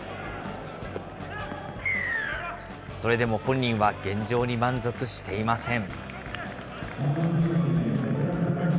それでも本人は現状に満足していません。